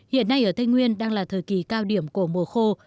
hiện nay ở tây nguyên đang là thời kỳ cao điểm của mùa khô